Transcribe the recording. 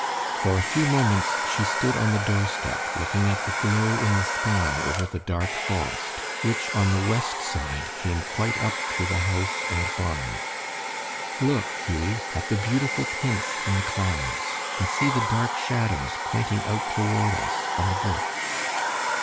For a few moments she stood on the doorstep looking at the glow in the sky over the dark forest, which on the west side came quite up to the house and barn. "Look, Hughie, at the beautiful tints in the clouds, and see the dark shadows pointing out toward us from the bush."